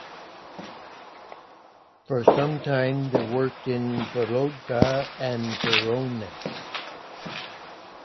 For some time they worked in Vologda and Voronezh.